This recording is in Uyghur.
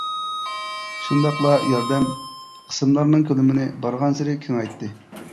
شۇنداقلا ياردەم قىسىملارنىڭ كۆلىمىنى بارغانسېرى كېڭەيتتى.